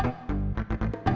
bapak mau lihat